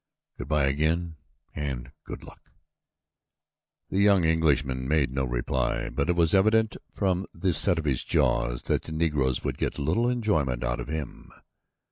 Good bye again and good luck." The young Englishman made no reply but it was evident from the set of his jaws that the Negroes would get little enjoyment out of him.